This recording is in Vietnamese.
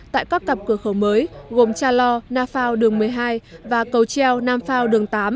tại các cặp cửa khẩu mới gồm cha lo nafao đường một mươi hai và cầu treo nam phao đường tám